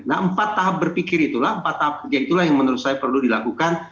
nah empat tahap berpikir itulah empat tahap kerja itulah yang menurut saya perlu dilakukan